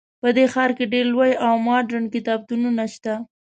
په دې ښار کې ډیر لوی او مدرن کتابتونونه شته